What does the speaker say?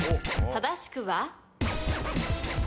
正しくは？